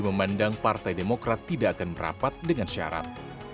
memandang partai demokrat tidak akan merapat dengan syarat